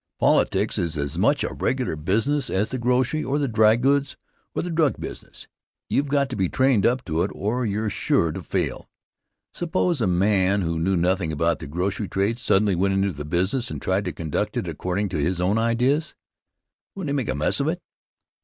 Politics is as much a regular business as the grocery or the dry goods or the drug business. You've got to be trained up to it or you're sure to fail. Suppose a man who knew nothing about the grocery trade suddenly went into the business and tried to conduct it according to his own ideas. Wouldn't he make a mess of it?